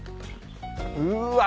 うわ。